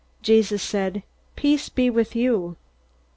Jesus said, "Peace be with you."